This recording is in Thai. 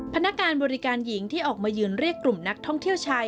พนักงานบริการหญิงที่ออกมายืนเรียกกลุ่มนักท่องเที่ยวชาย